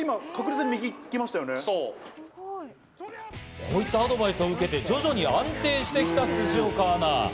こういったアドバイスを受けて、徐々に安定してきた辻岡アナ。